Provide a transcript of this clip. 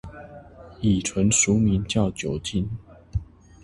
乙醇俗名叫酒精